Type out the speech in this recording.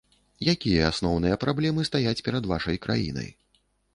Якія асноўныя праблемы стаяць перад вашай краінай?